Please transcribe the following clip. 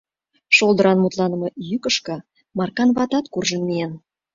Шолдыран мутланыме йӱкышкӧ Маркан ватат куржын миен.